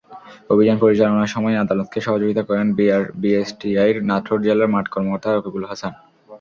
অভিযান পরিচালনার সময় আদালতকে সহযোগিতা করেন বিএসটিআইর নাটোর জেলার মাঠ কর্মকর্তা রকিবুল হাসান।